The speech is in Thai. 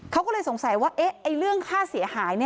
เขาก็เลยสงสัยว่าเรื่องค่าเสียหาย